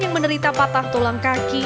yang menderita patah tulang kaki